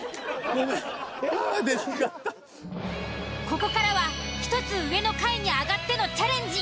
［ここからは一つ上の階に上がってのチャレンジ］